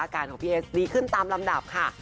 ของพี่เอสดีขึ้นตามลำดับค่ะ